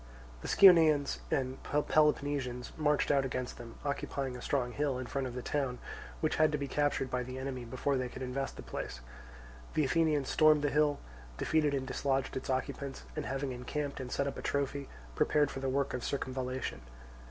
The Scionaeans and Peloponnesians marched out against them, occupying a strong hill in front of the town, which had to be captured by the enemy before they could invest the place. The Athenians stormed the hill, defeated and dislodged its occupants, and, having encamped and set up a trophy, prepared for the work of circumvallation.